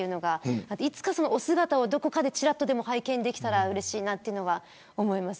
いつかお姿を、どこかでちらっとでも拝見できたらうれしいなと思います。